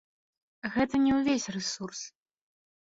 Гэта не ўвесь рэсурс.